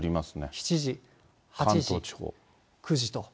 ７時、８時、９時と。